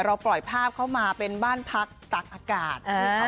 ปล่อยภาพเข้ามาเป็นบ้านพักตักอากาศ